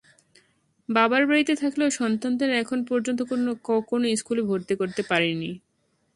বাবার বাড়িতে থাকলেও সন্তানদের এখন পর্যন্ত কোনো স্কুলে ভর্তি করতে পারিনি।